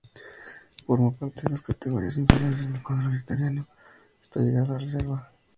Formó parte de las categorías inferiores del cuadro victoriano hasta llegar a la reserva.